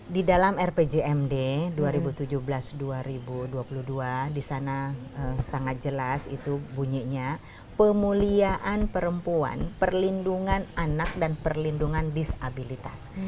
di dalam rpjmd dua ribu tujuh belas dua ribu dua puluh dua di sana sangat jelas itu bunyinya pemulihan perempuan perlindungan anak dan perlindungan disabilitas